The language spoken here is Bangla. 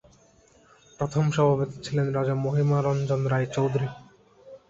প্রথম সভাপতি ছিলেন রাজা মহিমা রঞ্জন রায়চৌধুরী।